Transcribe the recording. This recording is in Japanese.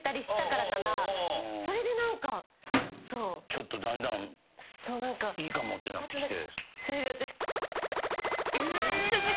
ちょっとだんだんいいかもってなってきて。